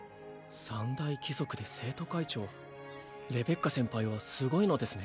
三大貴族で生徒会長レベッカ先輩はすごいのですね